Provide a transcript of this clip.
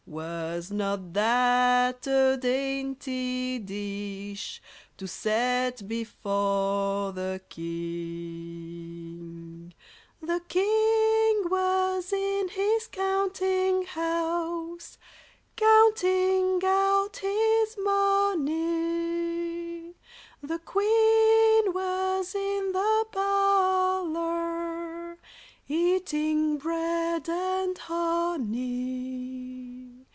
Was not that a dainty dish To set before the king? The king was in his countinghouse, Counting out his money; The queen was in the parlour, Eating bread and honey.